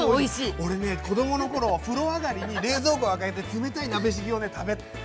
俺ね子供の頃お風呂上がりに冷蔵庫開けて冷たい鍋しぎを食べる。